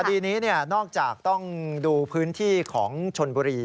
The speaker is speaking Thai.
คดีนี้นอกจากต้องดูพื้นที่ของชนบุรี